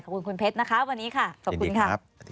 ขอบคุณคุณเพชรนะครับวันนี้ขอบคุณค่ะอัฮยครับ